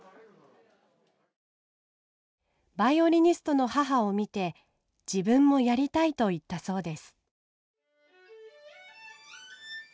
バイオリニストの母を見て「自分もやりたい」と言ったそうです。